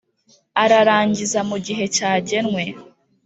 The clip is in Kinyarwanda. ararangiza mu gihe cyagenwe.